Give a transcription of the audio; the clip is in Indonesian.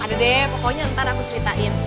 ada deh pokoknya ntar aku ceritain